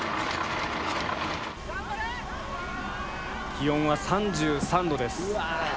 気温は３３℃です。